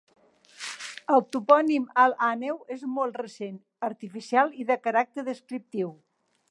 El topònim Alt Àneu és molt recent, artificial i de caràcter descriptiu.